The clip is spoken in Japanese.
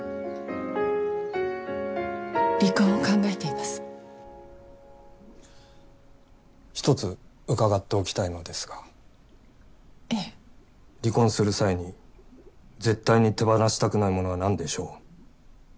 離婚を考えています一つ伺っておきたいのでええ離婚する際に絶対に手放したくないものは何でしょう？